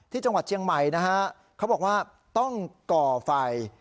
ที่จังหวัดเชียงใหม่นะฮะเขาบอกว่าต้องก่อไฟ